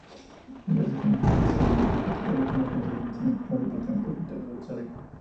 Esta disciplina es mayormente practicada por agencias de diseño o departamentos internos de desarrollo.